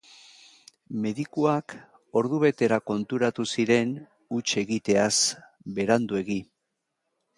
Medikuak ordubetera konturatu ziren huts egiteaz, beranduegi.